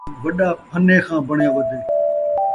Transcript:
وݙا پھنّے خاں بݨیا ودے